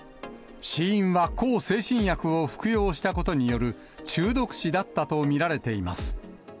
死因は向精神薬を服用したことによる中毒死だったと見られています。